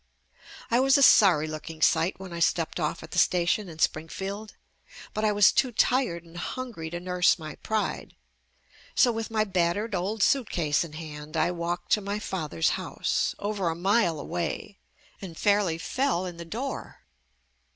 I was a sorry looking sight when I stepped off at the station in Springfield, but I was too tired and hungry to nurse my pride. So with my battered old suitcase in hand, I walked to my father's house, over a mile away, and fairly fell in the door.